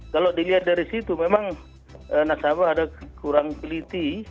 kalau dilihat dari situ memang nasabah ada kurang peliti